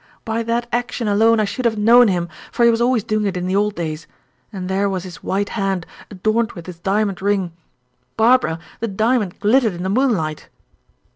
"By that action alone I should have known him, for he was always doing it in the old days. And there was his white hand, adorned with his diamond ring! Barbara, the diamond glittered in the moonlight!"